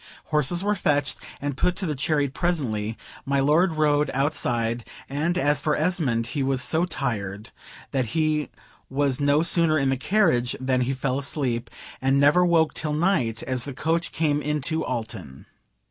Horses were fetched and put to the chariot presently. My lord rode outside, and as for Esmond he was so tired that he was no sooner in the carriage than he fell asleep, and never woke till night, as the coach came into Alton.